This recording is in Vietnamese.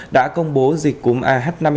đã công bố dịch cúm ah năm n sáu